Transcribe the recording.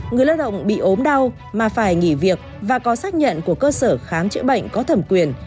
người lao động bị ốm đau mà phải nghỉ việc và có xác nhận của cơ sở khám chữa bệnh có thẩm quyền